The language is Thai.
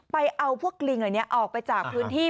ไปเอาพวกลิงอันนี้ออกไปจากพื้นที่